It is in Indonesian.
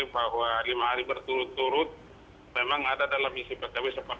bahwa lima hari berturut turut memang ada dalam isi pkb sepakat